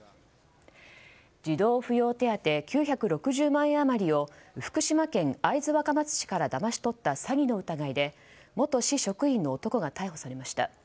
児童扶養手当９６０万円余りを福島県会津若松市からだまし取った詐欺の疑いで元市職員の男が逮捕されました。